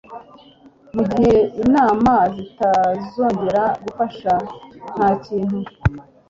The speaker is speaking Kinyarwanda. Mugihe inama zitazongera gufasha, ntakintu.